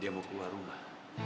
dia mau keluar rumah